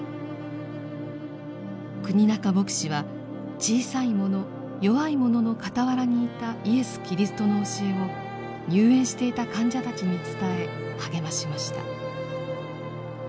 国仲牧師は小さい者弱い者の傍らにいたイエス・キリストの教えを入園していた患者たちに伝え励ましました。